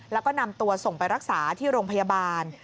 แล้วก็นำตัวส่งไปรักษาที่โรงพยาบาล